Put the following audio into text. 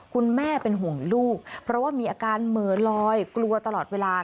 คุณแม่เป็นห่วงลูกเพราะว่ามีอาการเหมือนลอยกลัวตลอดเวลา